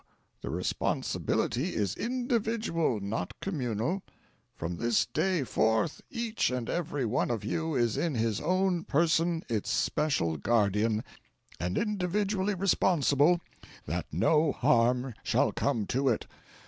The responsibility is individual, not communal. From this day forth each and every one of you is in his own person its special guardian, and individually responsible that no harm shall come to it.